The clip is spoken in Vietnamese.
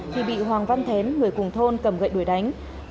thì bị hoàng văn thén người cùng thôn cầm gậy đuổi đánh